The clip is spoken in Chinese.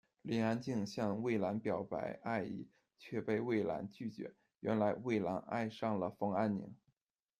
林安静向蔚蓝表白爱意，却被蔚蓝拒绝，原来蔚蓝爱上了冯安宁。